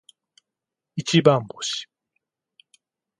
一番星